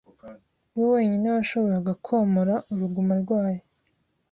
We wenyine washoboraga komora uruguma rwayo.